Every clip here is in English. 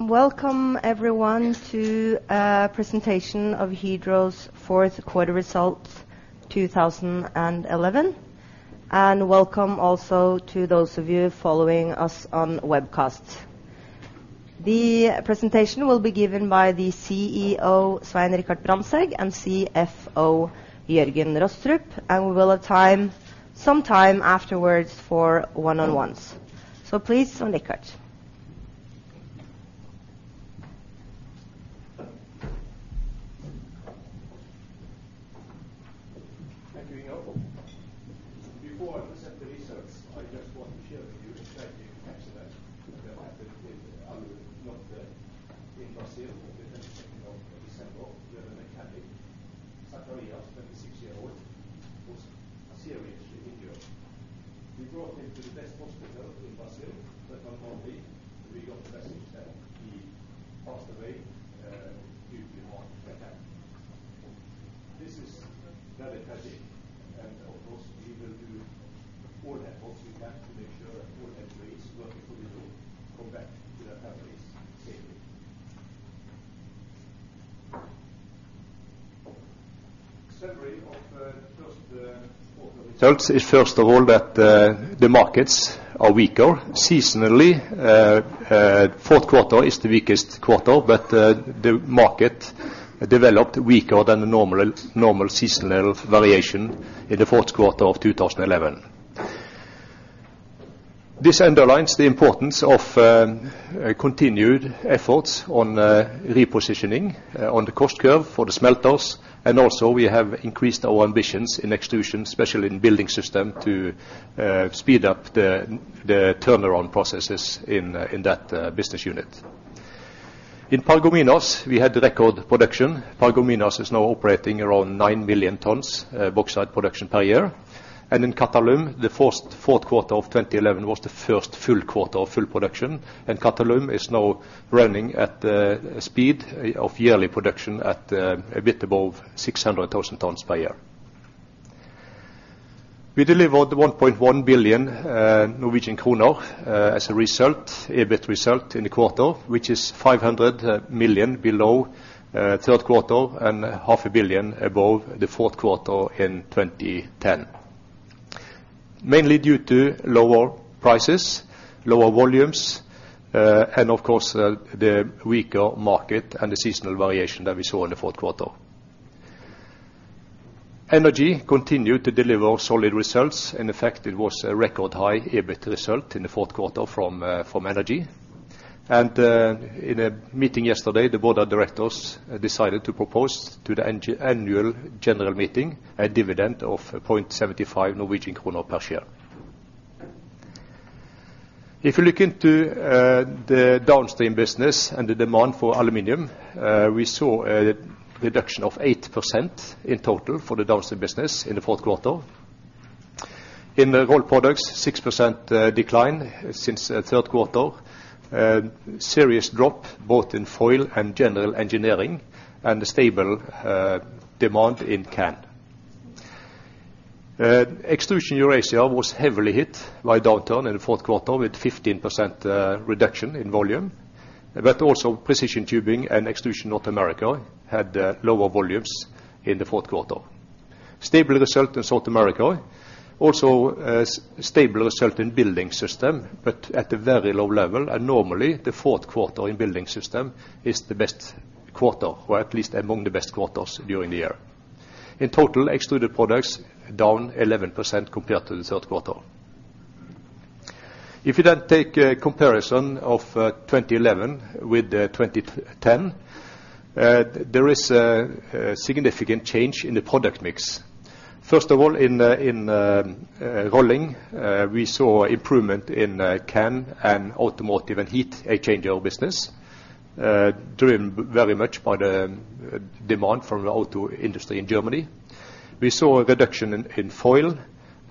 Welcome everyone to a Presentation of Hydro's Fourth Quarter Results 2011. Welcome also to those of you following us on webcast. The presentation will be given by the CEO, Svein Richard Brandtzæg, and CFO Jørgen Rostrup, and we will have some time afterwards for one-on-ones. Please, Svein Richard. Thank you, Ingeborg. Before I present This underlines the importance of continued efforts on repositioning on the cost curve for the smelters. Also we have increased our ambitions in Extrusion, especially in Building System, to speed up the turnaround processes in that business unit. In Paragominas, we had record production. Paragominas is now operating around 9 million tons bauxite production per year. In Qatalum, the fourth quarter of 2011 was the first full quarter of full production. Qatalum is now running at a speed of yearly production at a bit above 600,000 tons per year. We delivered 1.1 billion Norwegian kroner as a result, EBIT result in the quarter, which is 500 million below the third quarter and half a billion NOK above the fourth quarter in 2010. Mainly due to lower prices, lower volumes, and of course the weaker market and the seasonal variation that we saw in the fourth quarter. Energy continued to deliver solid results. In fact, it was a record high EBIT result in the fourth quarter from Energy. In a meeting yesterday, the board of directors decided to propose to the annual general meeting a dividend of 0.75 Norwegian kroner per share. If you look into the Downstream business and the demand for aluminum, we saw a reduction of 8% in total for the Downstream business in the fourth quarter. In the Rolled Products, 6% decline since third quarter. Serious drop both in foil and general engineering, and stable demand in can. Extrusion Europe was heavily hit by downturn in the fourth quarter with 15% reduction in volume. Precision Tubing and Extrusion North America had lower volumes in the fourth quarter. Stable result in South America. Also a stable result in Building System, but at a very low level. Normally the fourth quarter in Building System is the best quarter, or at least among the best quarters during the year. In total, Extruded Products down 11% compared to the third quarter. If you then take a comparison of 2011 with 2010, there is a significant change in the product mix. First of all, in Rolled, we saw improvement in can and automotive and heat exchanger business, driven very much by the demand from the auto industry in Germany. We saw a reduction in foil,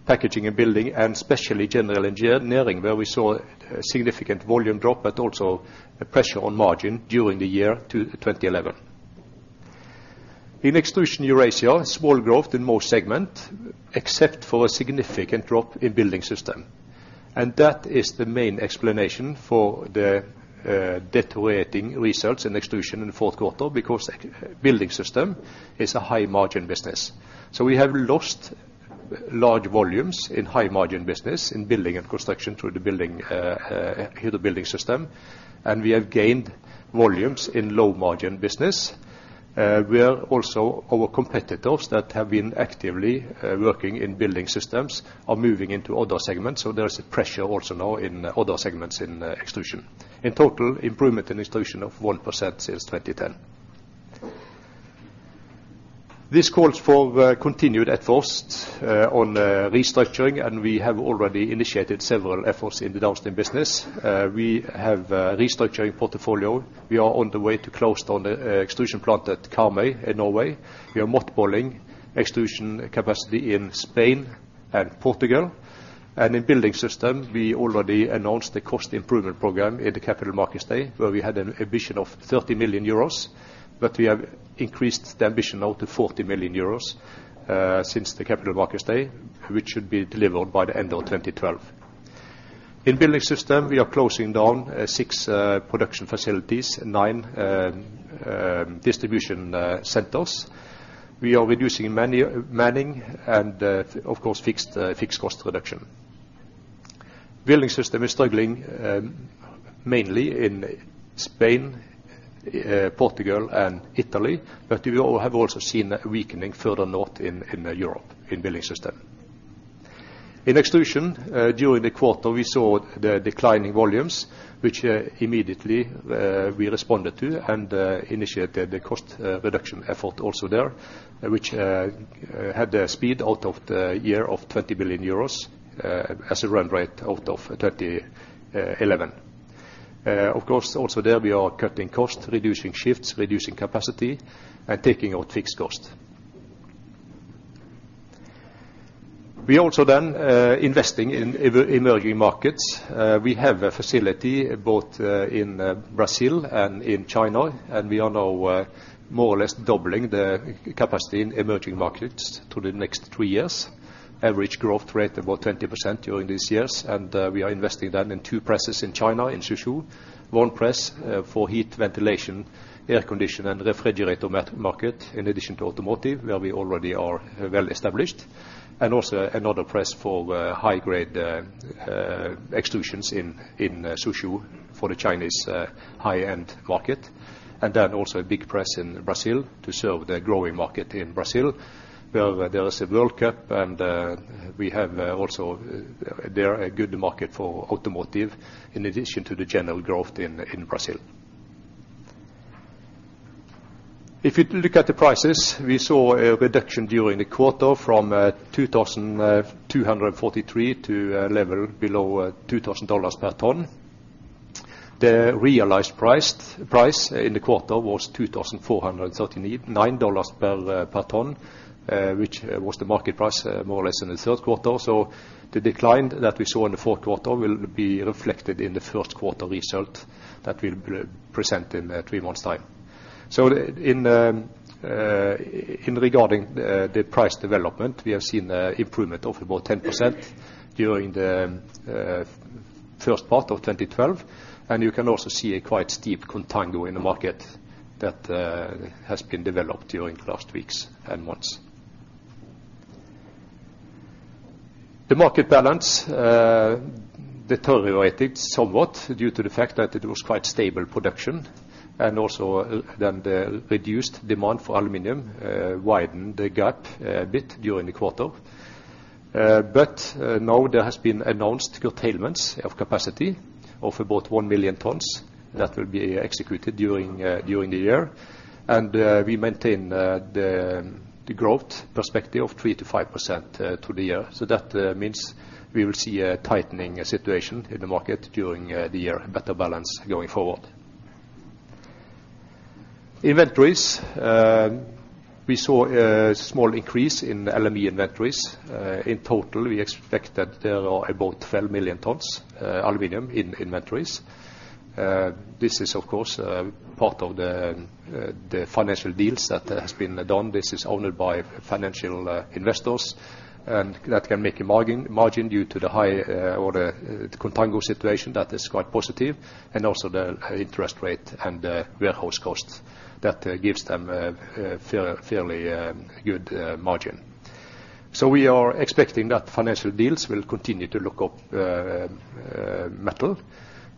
packaging and building, and especially general engineering, where we saw a significant volume drop but also a pressure on margin during the year 2011. In Extrusion Europe, small growth in most segments, except for a significant drop in Building Systems. That is the main explanation for the deteriorating results in Extrusion in the fourth quarter, because Building Systems is a high margin business. We have lost large volumes in high margin business in building and construction through Hydro Building Systems, and we have gained volumes in low margin business. Our competitors that have been actively working in Building Systems are moving into other segments, so there is a pressure also now in other segments in Extrusion. In total, improvement in Extrusion of 1% since 2010. This calls for continued efforts on restructuring, and we have already initiated several efforts in the Downstream business. We have a restructuring portfolio. We are on the way to close down the extrusion plant at Karmøy in Norway. We are mothballing extrusion capacity in Spain and Portugal. In Building System, we already announced the cost improvement program in the Capital Markets Day, where we had an ambition of 30 million euros. We have increased the ambition now to 40 million euros since the Capital Markets Day, which should be delivered by the end of 2012. In Building System, we are closing down six production facilities and nine distribution centers. We are reducing manning and, of course, fixed cost reduction. Building System is struggling mainly in Spain, Portugal and Italy, but we all have also seen a weakening further north in Europe in Building System. In Extrusion, during the quarter, we saw declining volumes, which immediately we responded to and initiated the cost reduction effort also there, which had the speed out of the year of 20 billion euros as a run rate out of 2011. Of course, also there, we are cutting costs, reducing shifts, reducing capacity, and taking out fixed costs. We also then investing in emerging markets. We have a facility both in Brazil and in China, and we are now more or less doubling the capacity in emerging markets through the next three years. Average growth rate about 20% during these years. We are investing that in two presses in China, in Suzhou. One press for heat ventilation, air condition, and refrigerator market, in addition to automotive, where we already are well established. Another press for high grade extrusions in Suzhou for the Chinese high-end market. And also a big press in Brazil to serve the growing market in Brazil. Well, there is a World Cup, and we have also there a good market for automotive in addition to the general growth in Brazil. If you look at the prices, we saw a reduction during the quarter from $2,243 to a level below $2,000 per ton. The realized price in the quarter was $2,439 per ton, which was the market price more or less in the third quarter. The decline that we saw in the fourth quarter will be reflected in the first quarter result that we'll present in three months' time. Regarding the price development, we have seen an improvement of about 10% during the first part of 2012. You can also see a quite steep contango in the market that has been developed during the last weeks and months. The market balance deteriorated somewhat due to the fact that it was quite stable production, and also then the reduced demand for aluminum widened the gap a bit during the quarter. Now there has been announced curtailments of capacity of about 1 million tons that will be executed during the year. We maintain the growth perspective of 3%-5% through the year. That means we will see a tightening situation in the market during the year, better balance going forward. Inventories, we saw a small increase in LME inventories. In total, we expect that there are about 12 million tons aluminum in inventories. This is, of course, part of the financial deals that has been done. This is owned by financial investors, and that can make a margin due to the higher contango situation that is quite positive, and also the interest rate and the warehouse costs that gives them a fairly good margin. We are expecting that financial deals will continue to look up, metal.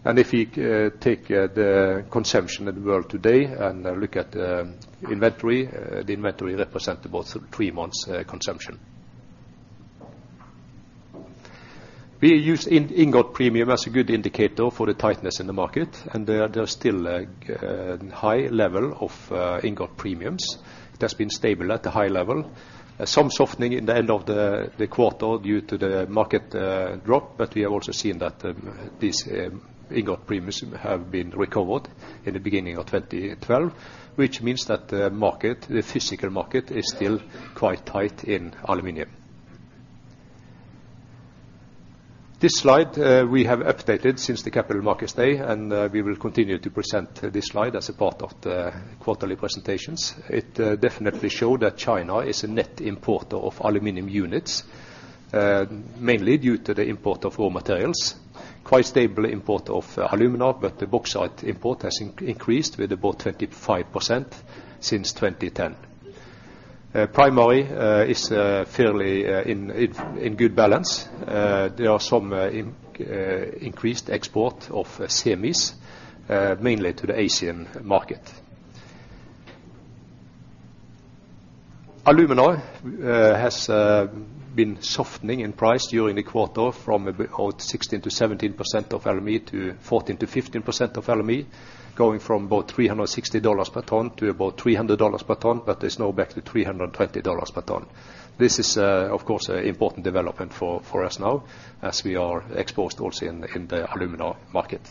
If you take the consumption in the world today and look at the inventory, the inventory represent about three months consumption. We use ingot premium as a good indicator for the tightness in the market, and there are still a high level of ingot premiums. It has been stable at the high level. Some softening in the end of the quarter due to the market drop. We have also seen that this ingot premiums have been recovered in the beginning of 2012, which means that the market, the physical market, is still quite tight in aluminum. This slide we have updated since the Capital Markets Day, and we will continue to present this slide as a part of the quarterly presentations. It definitely shows that China is a net importer of aluminum units, mainly due to the import of raw materials. Quite stable import of alumina, but the bauxite import has increased with about 35% since 2010. Primary is fairly in good balance. There are some increased export of semis, mainly to the Asian market. Alumina has been softening in price during the quarter from about 16%-17% of LME to 14%-15% of LME, going from about $360 per ton to about $300 per ton, but is now back to $320 per ton. This is of course an important development for us now, as we are exposed also in the alumina market.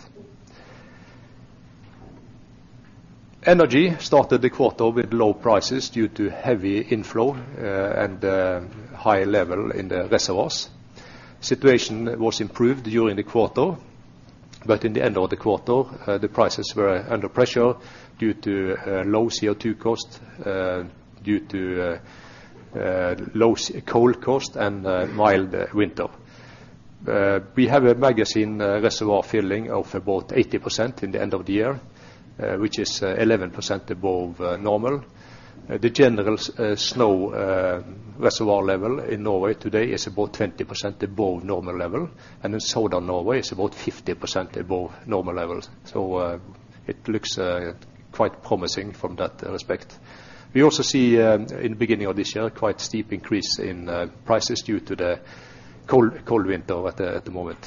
Energy started the quarter with low prices due to heavy inflow and high level in the reservoirs. Situation was improved during the quarter. In the end of the quarter, the prices were under pressure due to low CO2 costs due to low coal cost and a mild winter. We have a magazine reservoir filling of about 80% in the end of the year, which is 11% above normal. The general snow reservoir level in Norway today is about 20% above normal level. In Southern Norway, it is about 50% above normal levels. It looks quite promising from that respect. We also see in the beginning of this year, quite steep increase in prices due to the cold winter at the moment.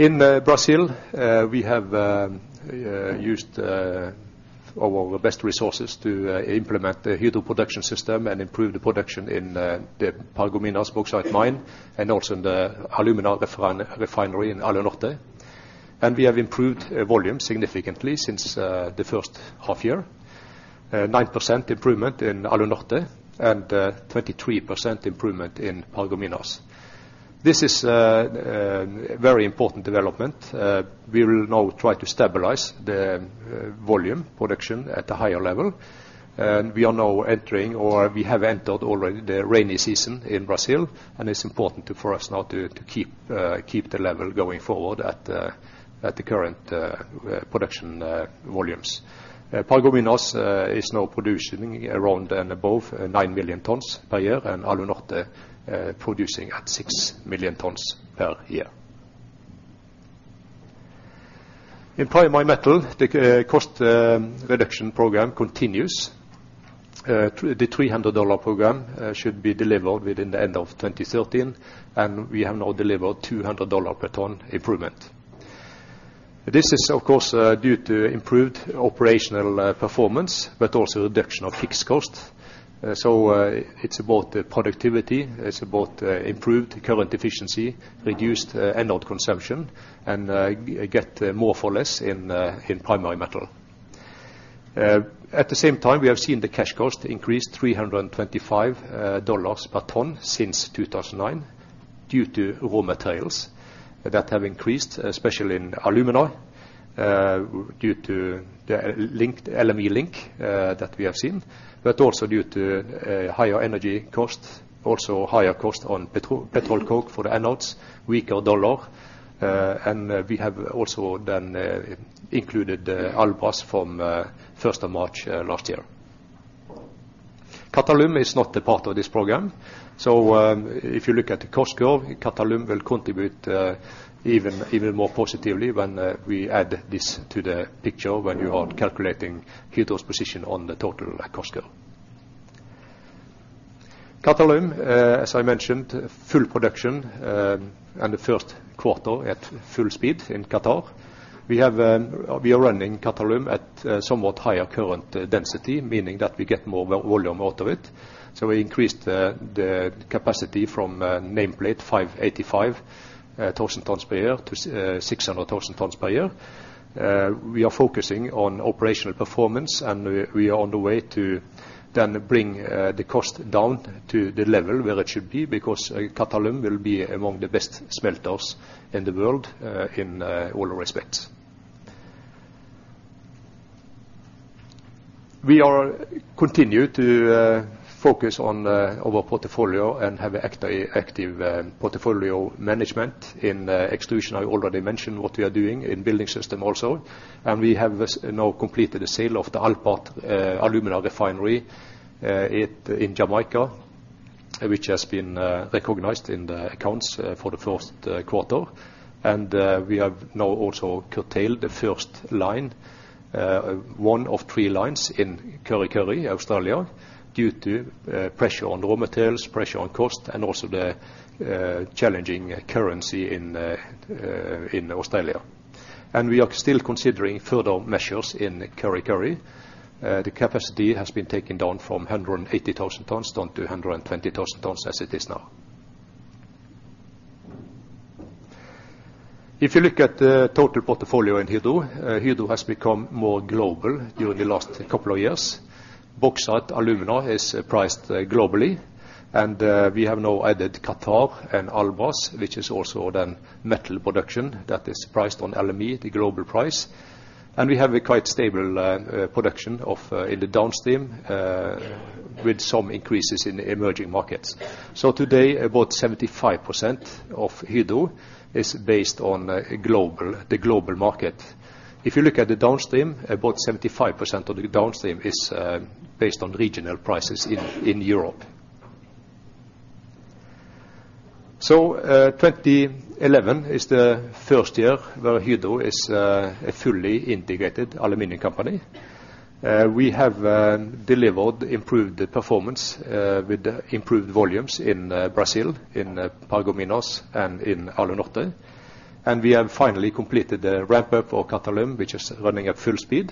In Brazil, we have used our best resources to implement the Hydro Production System and improve the production in the Paragominas bauxite mine, and also in the alumina refinery in Alunorte. We have improved volume significantly since the first half year. 9% improvement in Alunorte, and 23% improvement in Paragominas. This is a very important development. We will now try to stabilize the volume production at a higher level. We are now entering, or we have entered already, the rainy season in Brazil, and it's important for us now to keep the level going forward at the current production volumes. Paragominas is now producing around and above 9 million tons per year, and Alunorte producing at 6 million tons per year. In Primary Metal, the cost reduction program continues. The $300 Program should be delivered within the end of 2013, and we have now delivered $200 per ton improvement. This is, of course, due to improved operational performance, but also reduction of fixed costs. It's about the productivity, it's about improved current efficiency, reduced anode consumption, and get more for less in Primary Metal. At the same time, we have seen the cash cost increase $325 per ton since 2009 due to raw materials that have increased, especially in alumina, due to the LME link that we have seen. Also due to higher energy costs, also higher cost on petroleum coke for the anodes, weaker dollar, and we have also then included Albras from 1st of March last year. Qatalum is not a part of this program, so if you look at the cost curve, Qatalum will contribute even more positively when we add this to the picture when you are calculating Hydro's position on the total cost curve. Qatalum, as I mentioned, full production and the first quarter at full speed in Qatar. We are running Qatalum at somewhat higher current density, meaning that we get more volume out of it. So we increased the capacity from nameplate 585,000 tons per year to 600,000 tons per year. We are focusing on operational performance, and we are on the way to bring the cost down to the level where it should be, because Qatalum will be among the best smelters in the world, in all respects. We continue to focus on our portfolio and have active portfolio management. In Extrusion, I already mentioned what we are doing. In Building System also. We have now completed the sale of the Alpart alumina refinery in Jamaica, which has been recognized in the accounts for the first quarter. We have now also curtailed the first line, one of three lines in Kurri Kurri, Australia, due to pressure on raw materials, pressure on cost, and also the challenging currency in Australia. We are still considering further measures in Kurri Kurri. The capacity has been taken down from 180,000 tons down to 120,000 tons as it is now. If you look at the total portfolio in Hydro has become more global during the last couple of years. Bauxite, alumina is priced globally. We have now added Qatalum and Albras, which is also then metal production that is priced on LME, the global price. We have a quite stable production in the downstream with some increases in emerging markets. Today, about 75% of Hydro is based on the global market. If you look at the downstream, about 75% of the downstream is based on regional prices in Europe. 2011 is the first year where Hydro is a fully integrated aluminum company. We have delivered improved performance with improved volumes in Brazil, in Paragominas and in Alunorte. We have finally completed the ramp-up for Qatalum, which is running at full speed.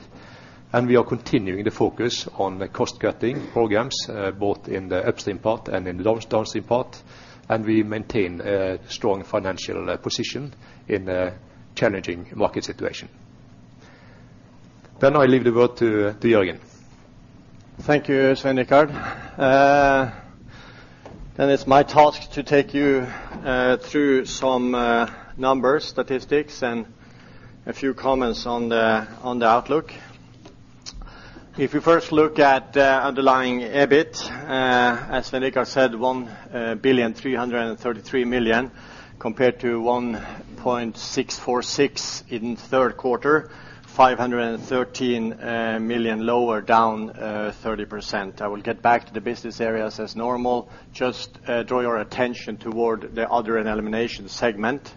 We are continuing to focus on the cost-cutting programs, both in the upstream part and in the downstream part. We maintain a strong financial position in a challenging market situation. I leave the word to Jørgen. Thank you, Svein Richard. It's my task to take you through some numbers, statistics, and a few comments on the outlook. If you first look at the underlying EBIT, as Richard said, 1.333 billion compared to 1.646 billion in third quarter, 513 million lower, down 30%. I will get back to the business areas as normal. Just draw your attention toward the other and elimination segment,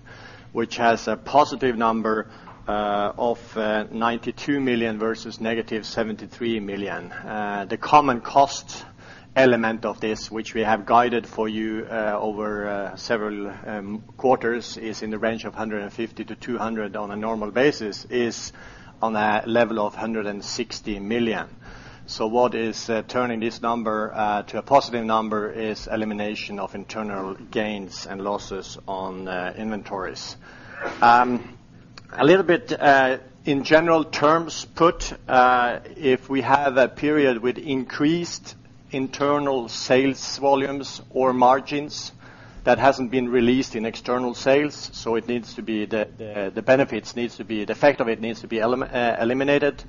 which has a positive number of 92 million versus -73 million. The common cost element of this, which we have guided for you over several quarters, is in the range of 150-200 million on a normal basis, is on a level of 160 million. What is turning this number to a positive number is elimination of internal gains and losses on inventories. A little bit in general terms put, if we have a period with increased internal sales volumes or margins that hasn't been released in external sales, it needs to be the effect of it needs to be eliminated.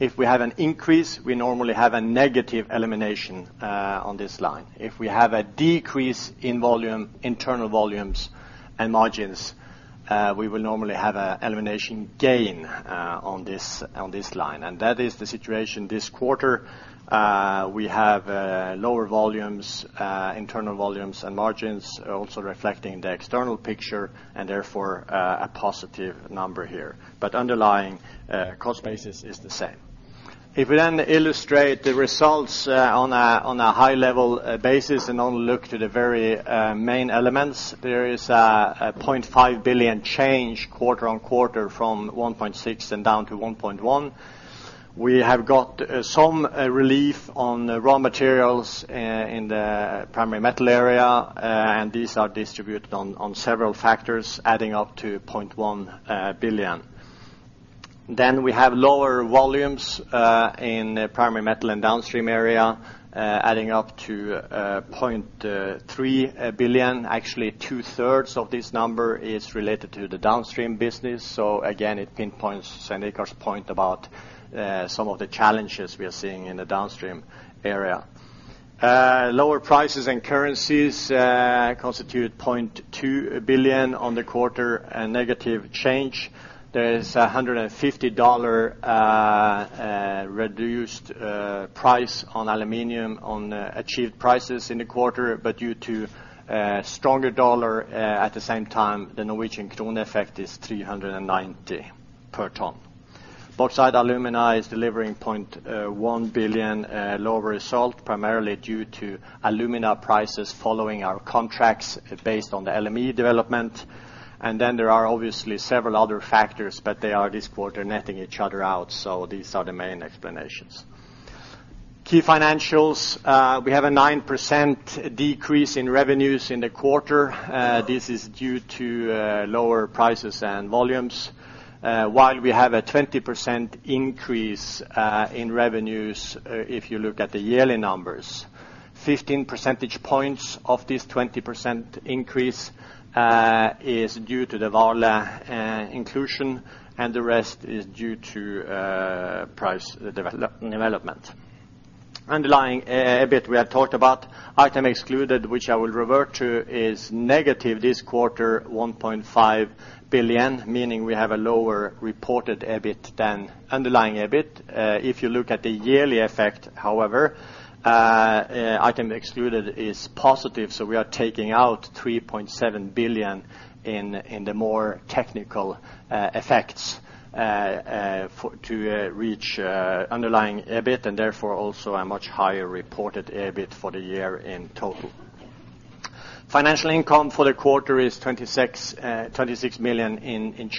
If we have an increase, we normally have a negative elimination on this line. If we have a decrease in volume, internal volumes and margins, we will normally have an elimination gain on this line. And that is the situation this quarter. We have lower volumes, internal volumes and margins also reflecting the external picture and therefore a positive number here, but underlying cost basis is the same. If we illustrate the results on a high level basis and only look to the very main elements, there is a 0.5 billion change quarter-on-quarter from 1.6 billion and down to 1.1 billion. We have got some relief on raw materials in the primary metal area, and these are distributed on several factors, adding up to 0.1 billion. We have lower volumes in primary metal and downstream area, adding up to 0.3 billion. Actually, two-thirds of this number is related to the downstream business. Again, it pinpoints Svein Richard's point about some of the challenges we are seeing in the downstream area. Lower prices and currencies constitute 0.2 billion on the quarter, a negative change. There's a $150 reduced price on aluminum on achieved prices in the quarter, but due to a stronger dollar at the same time, the Norwegian krone effect is 390 per ton. Bauxite & Alumina is delivering 0.1 billion lower result, primarily due to alumina prices following our contracts based on the LME development. There are obviously several other factors, but they are this quarter netting each other out, so these are the main explanations. Key financials. We have a 9% decrease in revenues in the quarter. This is due to lower prices and volumes. While we have a 20% increase in revenues if you look at the yearly numbers. 15 percentage points of this 20% increase is due to the Vale inclusion, and the rest is due to price development. Underlying EBIT we have talked about. Items excluded, which I will revert to, is negative this quarter, 1.5 billion, meaning we have a lower reported EBIT than underlying EBIT. If you look at the yearly effect, however, items excluded is positive, so we are taking out 3.7 billion in the more technical effects to reach underlying EBIT, and therefore also a much higher reported EBIT for the year in total. Financial income and charges for the quarter is 26 million.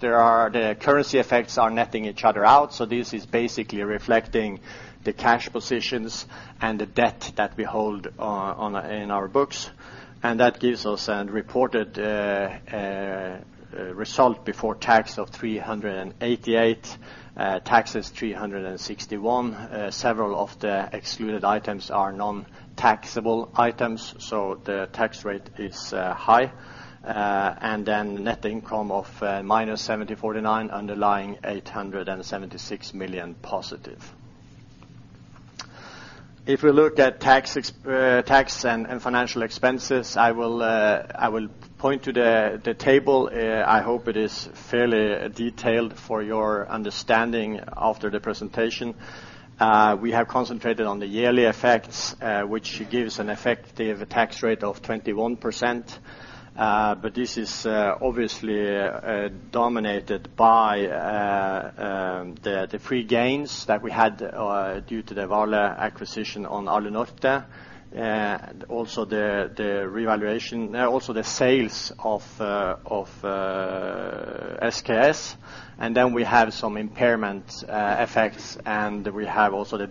There are. The currency effects are netting each other out, so this is basically reflecting the cash positions and the debt that we hold on in our books. That gives us a reported result before tax of 388 million. Tax is 361 million. Several of the excluded items are non-taxable items, so the tax rate is high. Net income of -74.9 million, underlying 876 million positive. If we look at tax and financial expenses, I will point to the table. I hope it is fairly detailed for your understanding after the presentation. We have concentrated on the yearly effects, which gives an effective tax rate of 21%. This is obviously dominated by the free gains that we had due to the Vale acquisition on Alunorte. Also the sales of SKS. Then we have some impairment effects. We have also the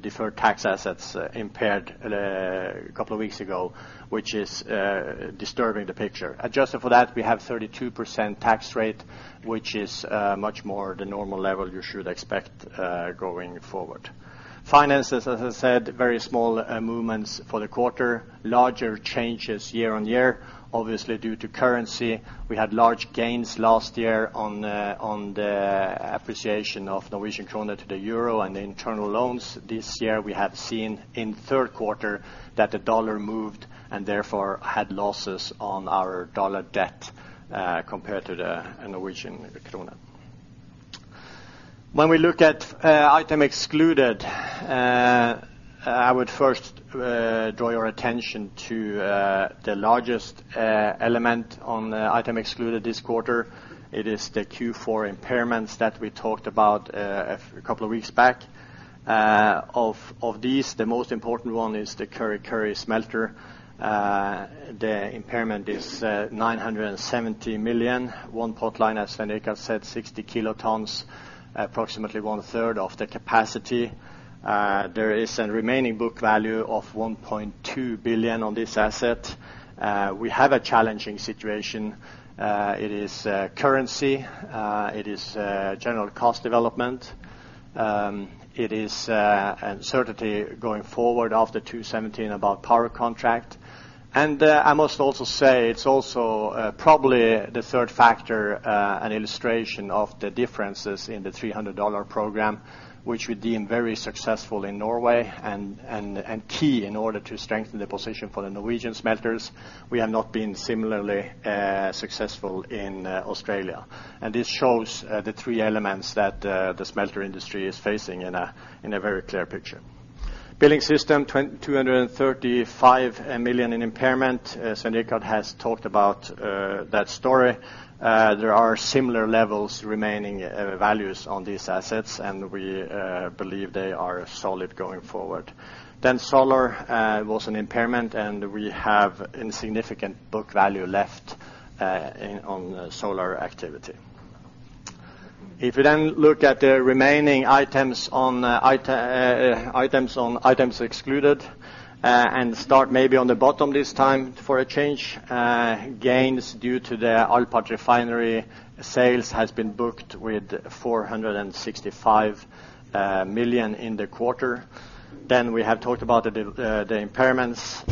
deferred tax assets impaired a couple of weeks ago, which is disturbing the picture. Adjusted for that, we have 32% tax rate, which is much more the normal level you should expect going forward. Finances, as I said, very small movements for the quarter. Larger changes year-on-year, obviously due to currency. We had large gains last year on the appreciation of Norwegian krone to the euro and the internal loans. This year, we have seen in third quarter that the dollar moved and therefore had losses on our dollar debt, compared to the Norwegian krone. When we look at item excluded, I would first draw your attention to the largest element on the item excluded this quarter. It is the Q4 impairments that we talked about a couple of weeks back. Of these, the most important one is the Kurri Kurri smelter. The impairment is 970 million. One pot line, as Svein Richard said, 60 kilotons, approximately one-third of the capacity. There is a remaining book value of 1.2 billion on this asset. We have a challenging situation. It is currency. It is general cost development. It is uncertainty going forward after 2017 about power contract. I must also say it's also probably the third factor, an illustration of the differences in the $300 Program, which we deem very successful in Norway and key in order to strengthen the position for the Norwegian smelters. We have not been similarly successful in Australia. This shows the three elements that the smelter industry is facing in a very clear picture. Building Systems, 235 million in impairment. Svein Richard Brandtzæg has talked about that story. There are similar levels remaining values on these assets, and we believe they are solid going forward. Then solar was an impairment, and we have insignificant book value left in the solar activity. If you then look at the remaining items on items excluded, and start maybe on the bottom this time for a change, gains due to the Alpart refinery sales has been booked with 465 million in the quarter. We have talked about the impairments,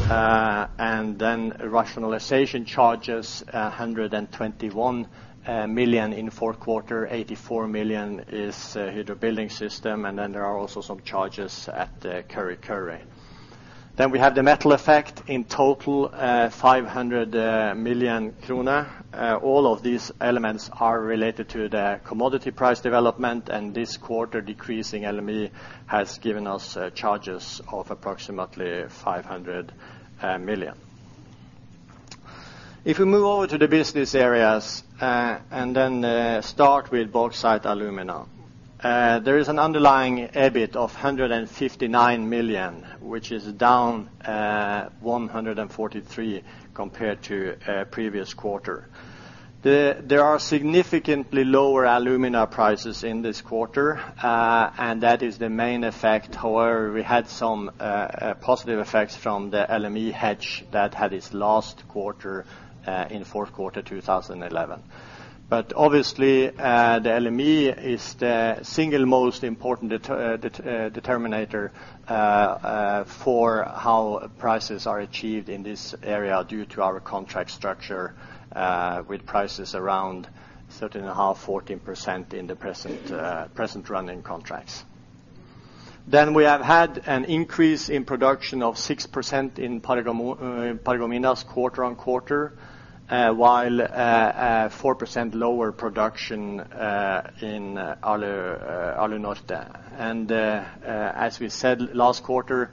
and rationalization charges, 121 million in fourth quarter. 84 million is Hydro Building Systems, and then there are also some charges at Kurri Kurri. We have the metal effect, in total, 500 million kroner. All of these elements are related to the commodity price development, and this quarter decreasing LME has given us charges of approximately 500 million. If we move over to the business areas and then start with Bauxite & Alumina, there is an underlying EBIT of 159 million, which is down 143 million compared to previous quarter. There are significantly lower alumina prices in this quarter, and that is the main effect. However, we had some positive effects from the LME hedge that had its last quarter in fourth quarter 2011. Obviously, the LME is the single most important determinant for how prices are achieved in this area due to our contract structure, with prices around 13.5%-14% in the present running contracts. We have had an increase in production of 6% in Paragominas quarter-on-quarter, while a 4% lower production in Alunorte. As we said last quarter,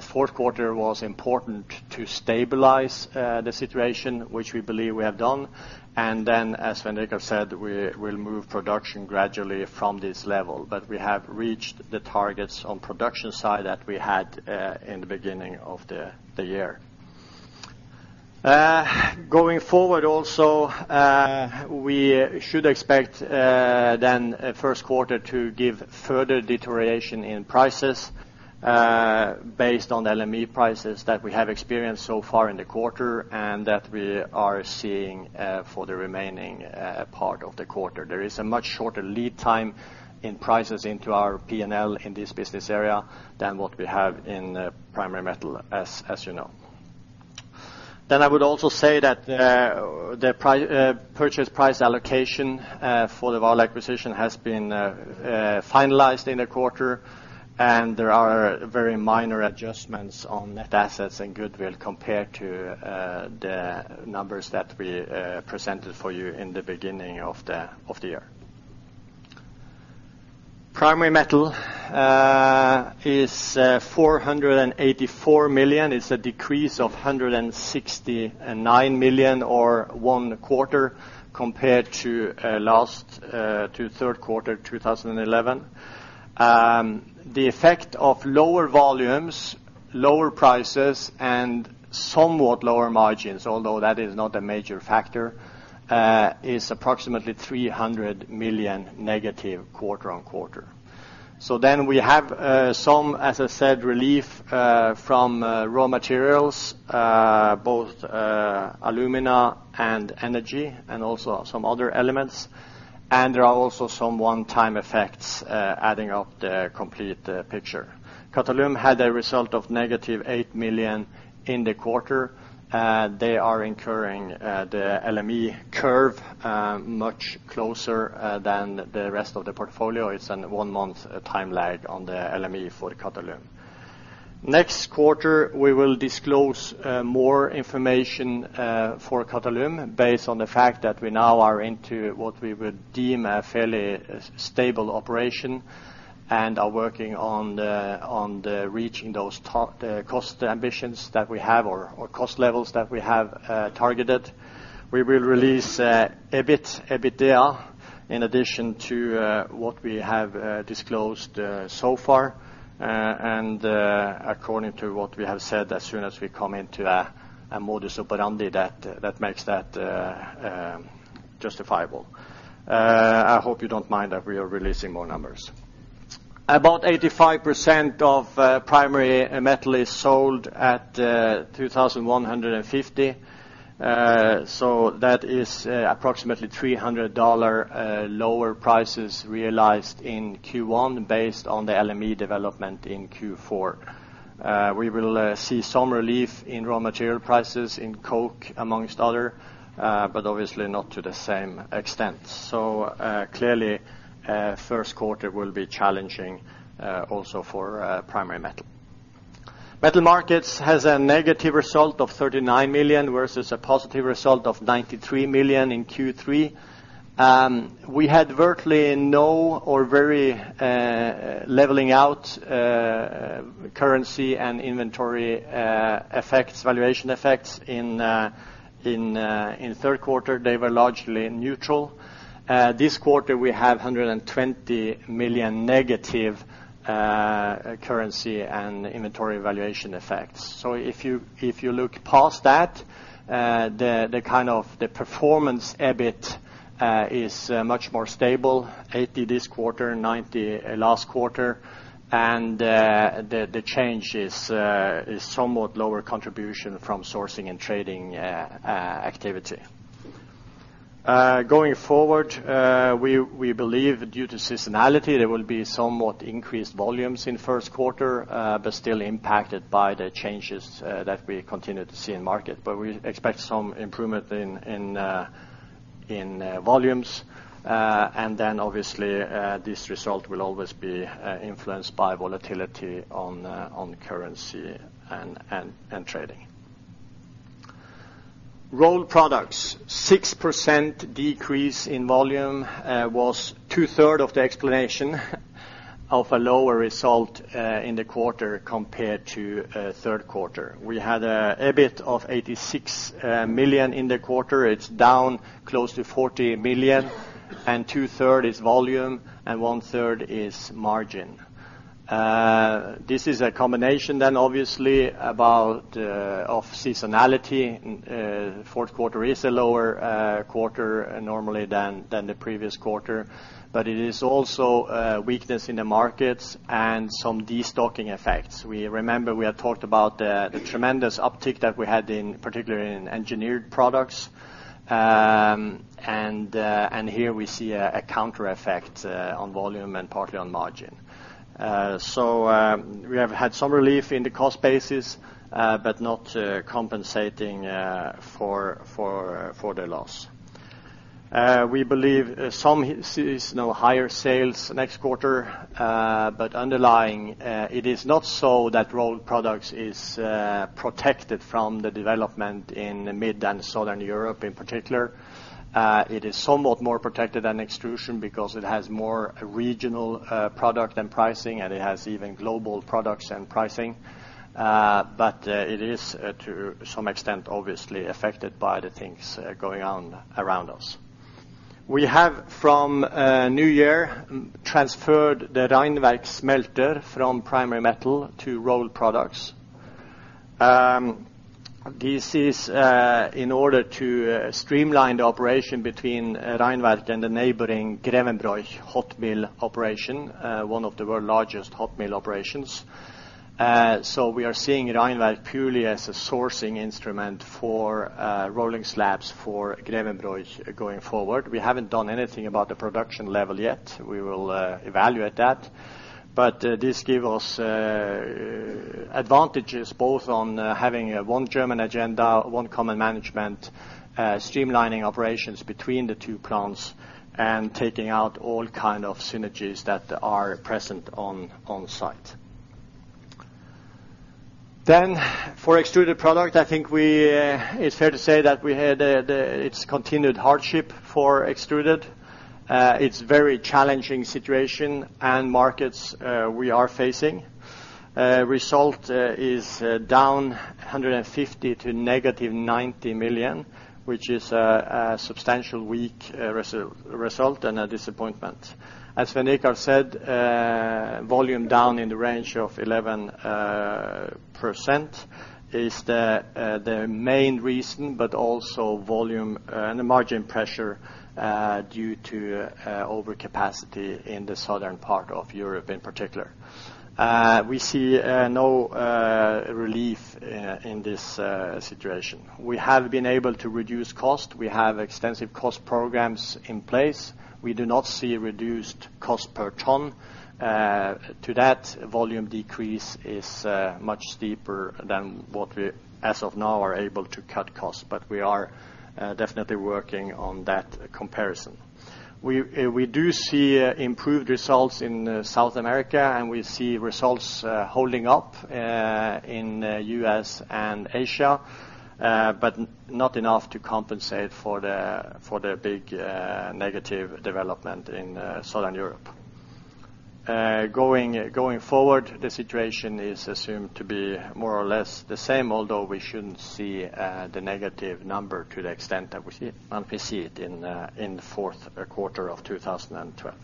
fourth quarter was important to stabilize the situation, which we believe we have done. As Svein Richard said, we will move production gradually from this level. We have reached the targets on production side that we had in the beginning of the year. Going forward also, we should expect first quarter to give further deterioration in prices, based on the LME prices that we have experienced so far in the quarter and that we are seeing for the remaining part of the quarter. There is a much shorter lead time in prices into our P&L in this business area than what we have in primary metal, as you know. I would also say that the Purchase Price Allocation for the Vale acquisition has been finalized in the quarter. There are very minor adjustments on net assets and goodwill compared to the numbers that we presented for you in the beginning of the year. Primary Metal is 484 million. It's a decrease of 169 million or one quarter compared to the third quarter 2011. The effect of lower volumes, lower prices and somewhat lower margins, although that is not a major factor, is approximately NOK 300 million negative quarter-over-quarter. We have some, as I said, relief from raw materials both alumina and energy and also some other elements. There are also some one-time effects adding up the complete picture. Qatalum had a result of negative 8 million in the quarter. They are indexing the LME curve much closer than the rest of the portfolio. It's a one-month timeline on the LME for Qatalum. Next quarter, we will disclose more information for Qatalum based on the fact that we now are into what we would deem a fairly stable operation and are working on reaching those top cost ambitions that we have or cost levels that we have targeted. We will release EBIT, EBITDA in addition to what we have disclosed so far, and according to what we have said as soon as we come into a modus operandi that makes that justifiable. I hope you don't mind that we are releasing more numbers. About 85% of Primary Metal is sold at $2,150. That is approximately $300 lower prices realized in Q1 based on the LME development in Q4. We will see some relief in raw material prices in coke amongst other, but obviously not to the same extent. Clearly, first quarter will be challenging, also for Primary Metal. Metal Markets has a negative result of 39 million versus a positive result of 93 million in Q3. We had virtually no or very leveling out currency and inventory effects, valuation effects in third quarter. They were largely neutral. This quarter, we have 120 million negative currency and inventory valuation effects. If you look past that, the kind of the performance EBIT is much more stable, 80 this quarter, 90 last quarter. The change is somewhat lower contribution from sourcing and trading activity. Going forward, we believe due to seasonality, there will be somewhat increased volumes in first quarter, but still impacted by the changes that we continue to see in market. We expect some improvement in volumes, and then obviously this result will always be influenced by volatility on currency and trading. Rolled Products, 6% decrease in volume, was two-thirds of the explanation of a lower result in the quarter compared to third quarter. We had an EBIT of 86 million in the quarter. It's down close to 40 million, and two-thirds is volume and one-third is margin. This is a combination then obviously about of seasonality. Fourth quarter is a lower quarter normally than the previous quarter. It is also weakness in the markets and some destocking effects. We remember we had talked about the tremendous uptick that we had in particular in engineered products. here we see a counter effect on volume and partly on margin. We have had some relief in the cost basis, but not compensating for the loss. We believe sales are now higher next quarter, but underlying, it is not so that Rolled Products is protected from the development in mid and Southern Europe in particular. It is somewhat more protected than Extrusion because it has more regional product and pricing, and it has even global products and pricing. It is to some extent obviously affected by the things going on around us. We have from New Year transferred the Rheinfelden smelter from Primary Metal to Rolled Products. This is in order to streamline the operation between Rheinwerk and the neighboring Grevenbroich hot mill operation, one of the world's largest hot mill operations. We are seeing Rheinwerk purely as a sourcing instrument for rolling slabs for Grevenbroich going forward. We haven't done anything about the production level yet. We will evaluate that. This gives us advantages both on having one German agenda, one common management, streamlining operations between the two plants and taking out all kinds of synergies that are present on site. For Extruded Products, I think it's fair to say that we had the continued hardship for Extruded. It's a very challenging situation in markets we are facing. Result is down 150 million to -90 million, which is a substantially weak result and a disappointment. As Svein Richard said, volume down in the range of 11% is the main reason, but also volume and the margin pressure due to overcapacity in the southern part of Europe in particular. We see no relief in this situation. We have been able to reduce cost. We have extensive cost programs in place. We do not see reduced cost per ton to that volume decrease is much steeper than what we as of now are able to cut costs. We are definitely working on that comparison. We do see improved results in South America, and we see results holding up in U.S. and Asia, but not enough to compensate for the big negative development in Southern Europe. Going forward, the situation is assumed to be more or less the same, although we shouldn't see the negative number to the extent that we see it in the fourth quarter of 2012.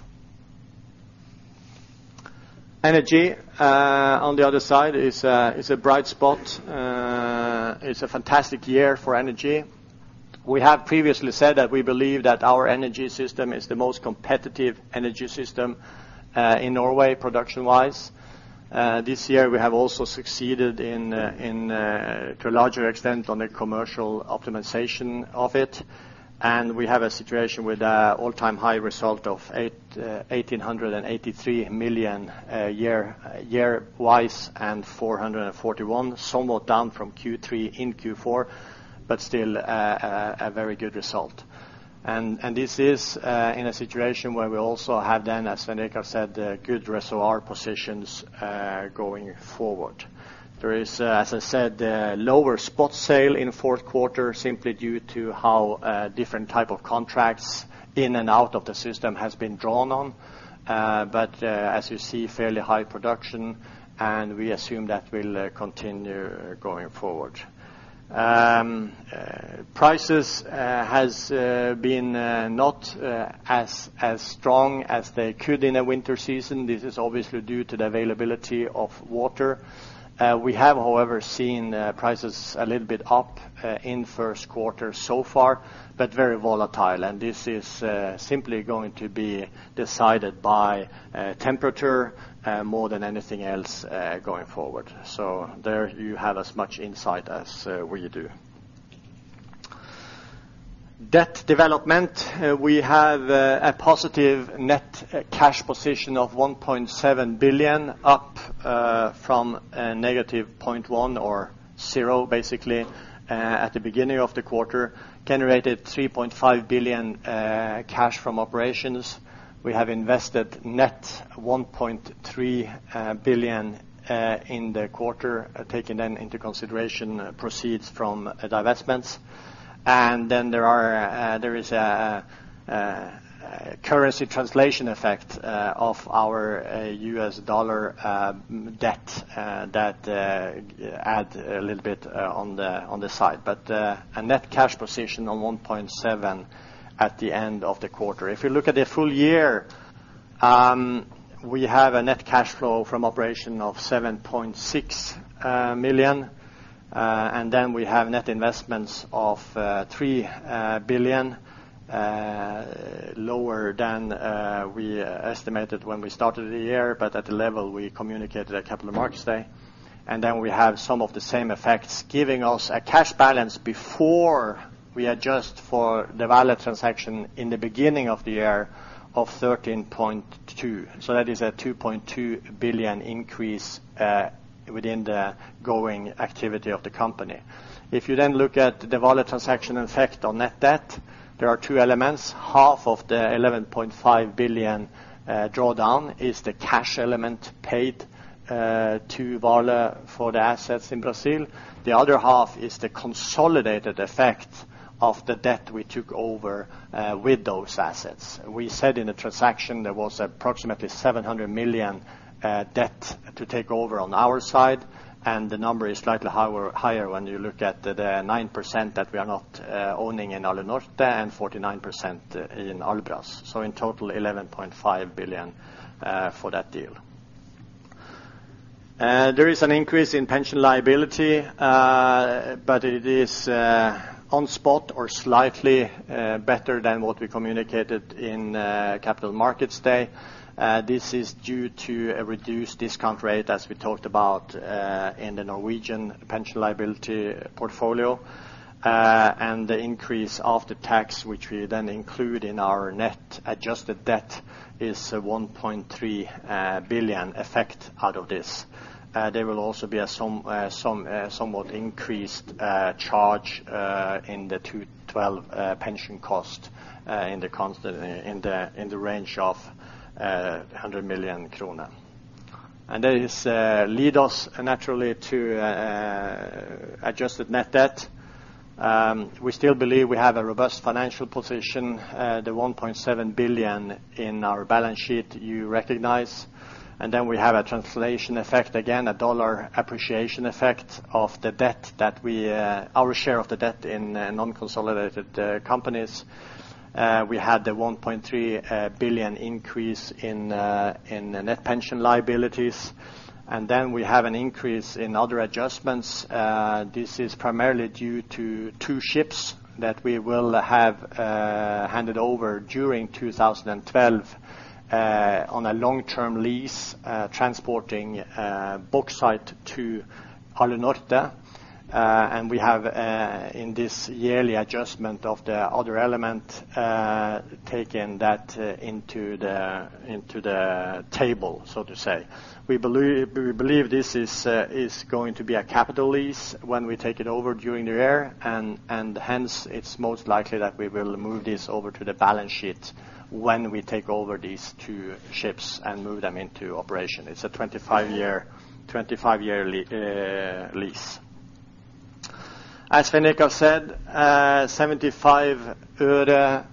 Energy on the other side is a bright spot. It's a fantastic year for energy. We have previously said that we believe that our energy system is the most competitive energy system in Norway production-wise. This year, we have also succeeded in to a larger extent on the commercial optimization of it. We have a situation with an all-time high result of 1,883 million year-wise, and 441, somewhat down from Q3 in Q4, but still a very good result. This is in a situation where we also have then, as Svein Richard said, good reservoir positions going forward. There is, as I said, lower spot sale in fourth quarter simply due to how different type of contracts in and out of the system has been drawn on. But as you see, fairly high production, and we assume that will continue going forward. Prices has been not as strong as they could in a winter season. This is obviously due to the availability of water. We have, however, seen prices a little bit up in first quarter so far, but very volatile. This is simply going to be decided by temperature more than anything else going forward. There you have as much insight as we do. Debt development, we have a positive net cash position of 1.7 billion, up from a negative 0.1 or zero basically at the beginning of the quarter. Generated 3.5 billion cash from operations. We have invested net 1.3 billion in the quarter, taking then into consideration proceeds from divestments. There is a currency translation effect of our US dollar debt that add a little bit on the side. A net cash position of 1.7 at the end of the quarter. If you look at the full year, we have a net cash flow from operations of 7.6 million, and then we have net investments of 3 billion, lower than we estimated when we started the year, but at the level we communicated at Capital Markets Day. Then we have some of the same effects, giving us a cash balance before we adjust for the Vale transaction in the beginning of the year of 13.2. That is a 2.2 billion increase within the ongoing activity of the company. If you then look at the Vale transaction effect on net debt, there are two elements. Half of the 11.5 billion NOK drawdown is the cash element paid to Vale for the assets in Brazil. The other half is the consolidated effect of the debt we took over with those assets. We said in the transaction there was approximately 700 million debt to take over on our side, and the number is slightly higher when you look at the 9% that we are not owning in Alunorte and 49% in Albras. In total, 11.5 billion for that deal. There is an increase in pension liability, but it is on spot or slightly better than what we communicated in Capital Markets Day. This is due to a reduced discount rate, as we talked about, in the Norwegian pension liability portfolio. The increase of the tax, which we then include in our net adjusted debt, is 1.3 billion effect out of this. There will also be a somewhat increased charge in the 2012 pension cost in the range of 100 million kroner. That leads us naturally to adjusted net debt. We still believe we have a robust financial position. The 1.7 billion in our balance sheet you recognize. Then we have a translation effect, again, a dollar appreciation effect of the debt that we, our share of the debt in non-consolidated companies. We had the 1.3 billion increase in net pension liabilities. Then we have an increase in other adjustments. This is primarily due to two ships that we will have handed over during 2012 on a long-term lease transporting bauxite to Alunorte. We have in this yearly adjustment of the other element taken that into the table, so to say. We believe this is going to be a capital lease when we take it over during the year, and hence it's most likely that we will move this over to the balance sheet when we take over these two ships and move them into operation. It's a 25-year lease. As Svein Richard said, 75 øre,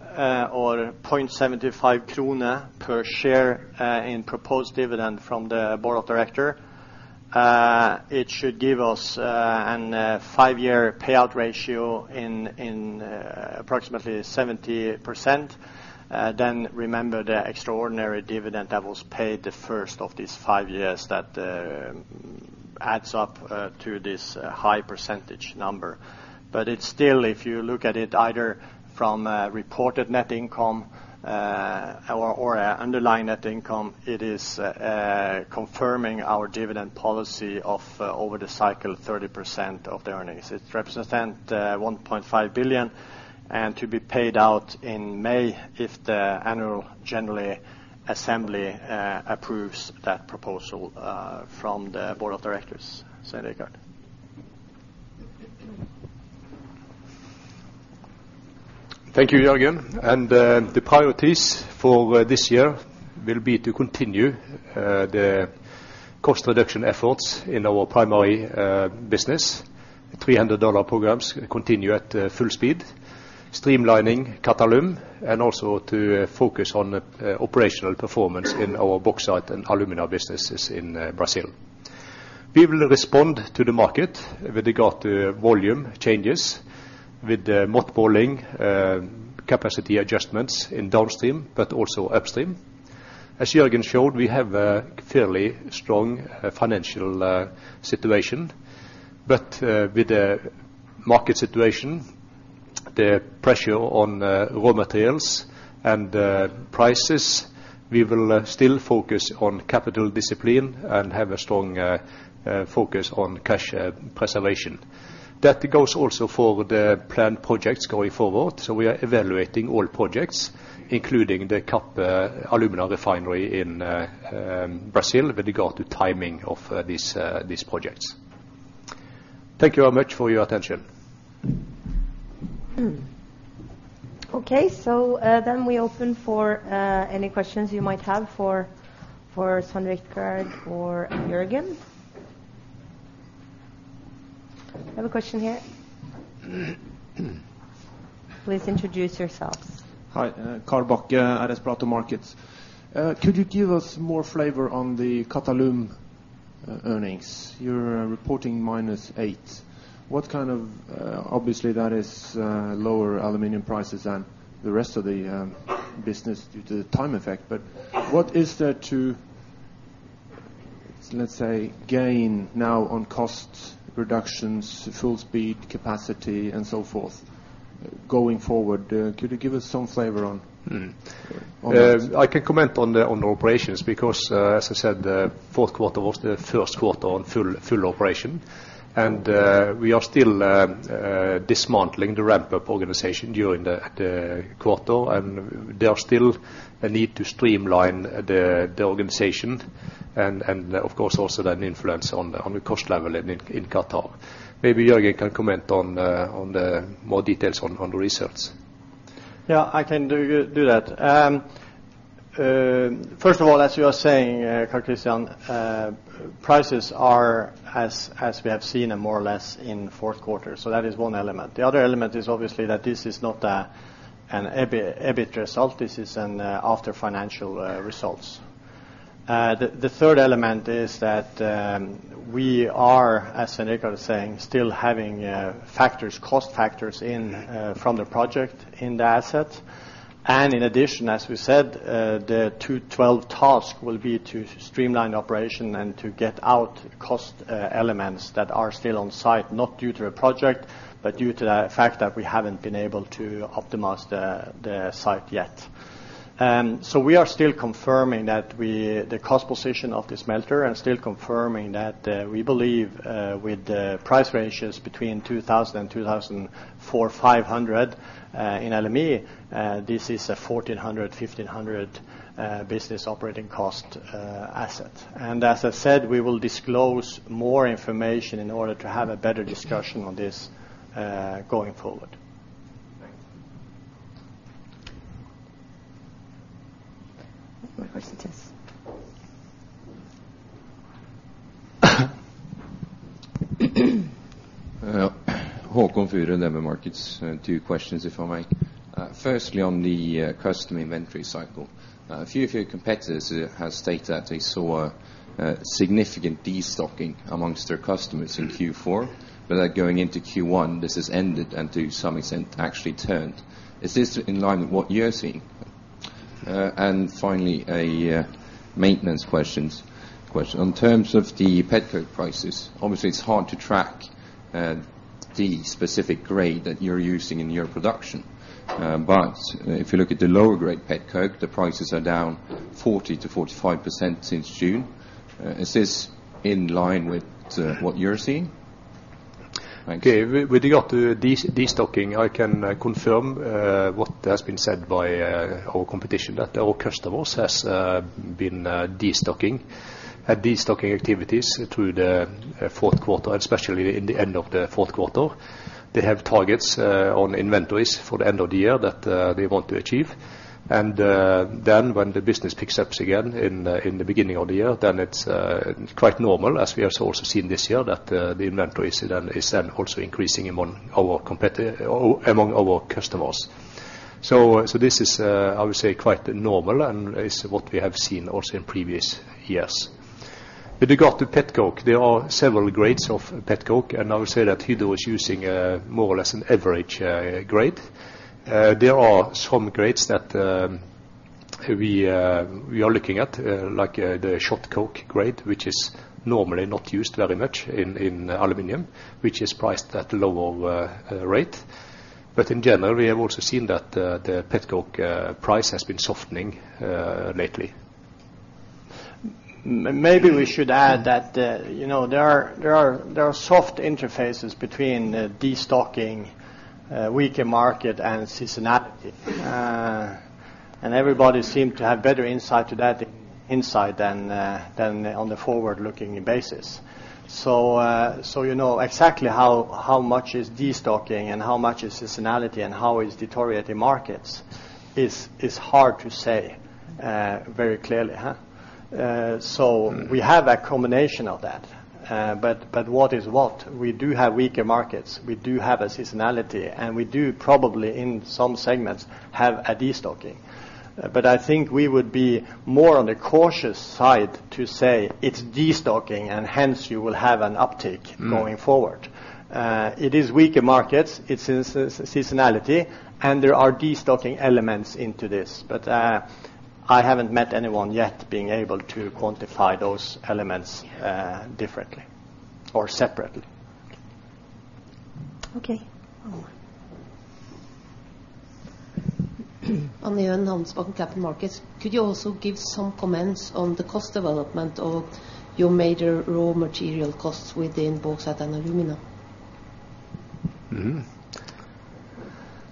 or 0.75 krone per share, in proposed dividend from the board of directors. It should give us a five-year payout ratio in approximately 70%. Remember the extraordinary dividend that was paid the first of these five years that adds up to this high percentage number. It's still, if you look at it either from reported net income or underlying net income, it is confirming our dividend policy of over the cycle 30% of the earnings. It represent 1.5 billion to be paid out in May if the annual general assembly approves that proposal from the board of directors. Svein Richard. Thank you, Jørgen. The priorities for this year will be to continue the cost reduction efforts in our primary business. $300 programs continue at full speed. Streamlining Qatalum, and also to focus on operational performance in our bauxite and alumina businesses in Brazil. We will respond to the market with regard to volume changes, with mothballing capacity adjustments in downstream, but also upstream. As Jørgen showed, we have a fairly strong financial situation, but with the market situation, the pressure on raw materials and prices, we will still focus on capital discipline and have a strong focus on cash preservation. That goes also for the planned projects going forward, so we are evaluating all projects, including the CAP alumina refinery in Brazil with regard to timing of these projects. Thank you very much for your attention. Okay. Then we open for any questions you might have for Svein Richard or Jørgen. I have a question here. Please introduce yourselves. Hi, Carl Bachke, RS Platou Markets. Could you give us more flavor on the Qatalum earnings? You're reporting -8. Obviously, that is lower aluminum prices than the rest of the business due to the time effect, but what is there to, let's say, gain now on cost reductions, full speed, capacity, and so forth going forward? Could you give us some flavor on. I can comment on the operations, because as I said, the fourth quarter was the first quarter on full operation. We are still dismantling the ramp-up organization during the quarter, and there are still a need to streamline the organization and of course also that influence on the cost level in Qatalum. Maybe Jørgen can comment on the more details on the results. Yeah, I can do that. First of all, as you are saying, Carl Christian, prices are as we have seen them more or less in fourth quarter. That is one element. The other element is obviously that this is not an EBIT result. This is an after financial results. The third element is that we are, as Svein Richard is saying, still having cost factors in from the project in the asset. In addition, as we said, the 212 task will be to streamline the operation and to get out cost elements that are still on site, not due to a project, but due to the fact that we haven't been able to optimize the site yet. We are still confirming the cost position of this smelter and still confirming that we believe, with the price ranges between $2,000 and $2,400-$2,500 in aluminum, this is a $1,400-$1,500 business operating cost asset. As I said, we will disclose more information in order to have a better discussion on this going forward. More questions, yes. Haakon Furre, DNB Markets. Two questions, if I may. Firstly, on the customer inventory cycle. A few of your competitors has stated that they saw a significant destocking among their customers in Q4. Going into Q1, this has ended, and to some extent actually turned. Is this in line with what you're seeing? Finally, a maintenance question. In terms of the petrol prices, obviously it's hard to track the specific grade that you're using in your production. But if you look at the lower grade petroleum coke, the prices are down 40%-45% since June. Is this in line with what you're seeing? Thanks. Okay. With regard to destocking, I can confirm what has been said by our competition, that our customers has been destocking. Had destocking activities through the fourth quarter, especially in the end of the fourth quarter. They have targets on inventories for the end of the year that they want to achieve. Then when the business picks up again in the beginning of the year, then it's quite normal, as we have also seen this year, that the inventories is also increasing among our customers. This is, I would say, quite normal, and is what we have seen also in previous years. With regard to petroleum coke, there are several grades of petroleum coke. I would say that Hydro is using more or less an average grade. There are some grades that we are looking at, like the shot coke grade, which is normally not used very much in aluminum, which is priced at lower rate. In general, we have also seen that the petroleum coke price has been softening lately. Maybe we should add that, you know, there are soft interfaces between destocking, weaker market, and seasonality. Everybody seem to have better insight into that than insight on the forward-looking basis. You know, exactly how much is destocking, and how much is seasonality, and how deteriorating markets is hard to say very clearly? We have a combination of that. What is what? We do have weaker markets, we do have seasonality, and we do probably, in some segments, have a destocking. I think we would be more on the cautious side to say it's destocking, and hence you will have an uptick going forward. It is weaker markets, it's seasonality, and there are destocking elements into this. I haven't met anyone yet being able to quantify those elements, differently or separately. Okay. One more. Anne Gjøen, Handelsbanken Capital Markets. Could you also give some comments on the cost development of your major raw material costs within Bauxite & Alumina?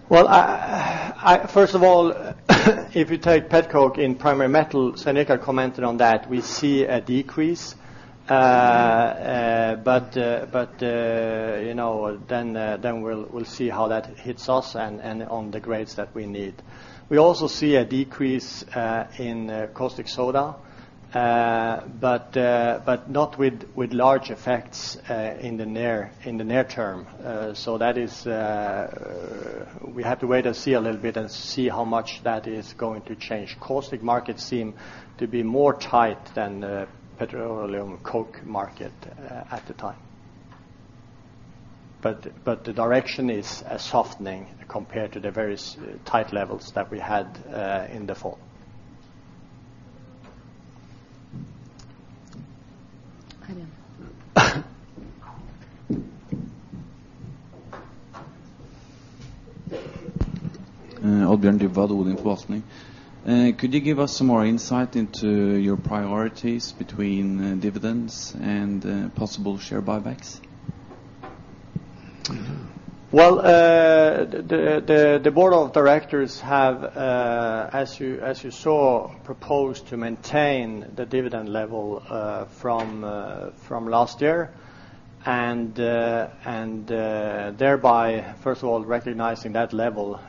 Well, first of all, if you take petroleum coke in Primary Metal, Svein Richard commented on that, we see a decrease. You know, then we'll see how that hits us and on the grades that we need. We also see a decrease in caustic soda. Not with large effects in the near term. We have to wait and see a little bit and see how much that is going to change. Caustic markets seem to be more tight than the petroleum coke market at the time. The direction is a softening compared to the various tight levels that we had in the fall. Carine. Oddbjørn Dybvad, ODIN Forvaltning. Could you give us some more insight into your priorities between dividends and possible share buybacks? The board of directors have, as you saw, proposed to maintain the dividend level from last year. Thereby, first of all, recognizing that level.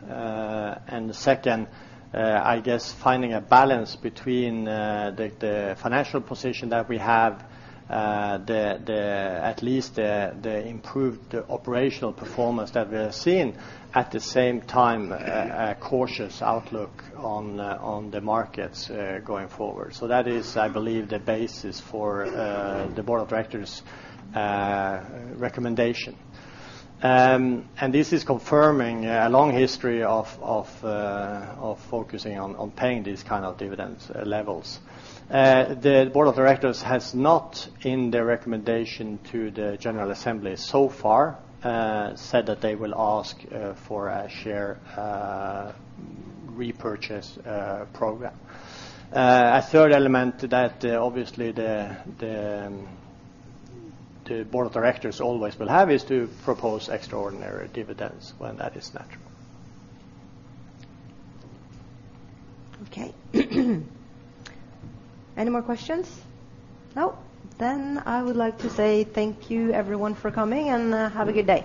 And second, I guess finding a balance between the financial position that we have, at least the improved operational performance that we're seeing. At the same time, a cautious outlook on the markets going forward. That is, I believe, the basis for the board of directors' recommendation. And this is confirming a long history of focusing on paying these kind of dividends levels. The board of directors has not, in their recommendation to the general assembly so far, said that they will ask for a share repurchase program. A third element that, obviously the board of directors always will have, is to propose extraordinary dividends when that is natural. Okay. Any more questions? No. I would like to say thank you everyone for coming, and have a good day.